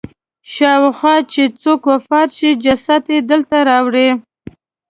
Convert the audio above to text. شاوخوا چې څوک وفات شي جسد یې دلته راوړي.